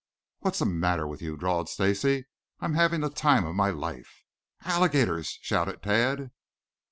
"What's the matter with you?" drawled Stacy. "I'm having the time of my life " "Alligators!" shouted Tad.